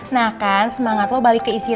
nah kan semangat lo balik keisi lagi